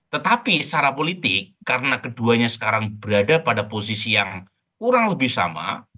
tetapi secara politik karena keduanya sekarang berada pada posisi yang kurang lebih sama